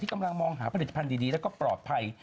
กำลังมองหาผลิตภัณฑ์ดีแล้วก็ปลอดภัย